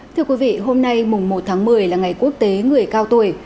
thưa quý vị hôm nay mùng một tháng một mươi là ngày quốc tế người cao tuổi